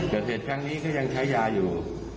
เกิดเหตุครั้งนี้ก็ยังใช้ยาอยู่